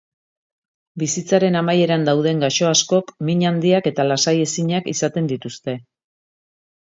Bizitzaren amaieran dauden gaixo askok min handiak eta lasai-ezinak izaten dituzte.